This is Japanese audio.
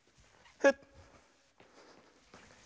フッ。